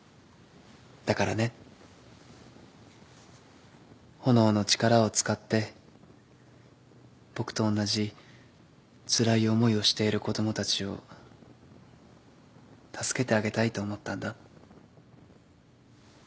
だからね炎の力を使って僕と同じつらい思いをしている子供たちを助けてあげたいと思ったんだ。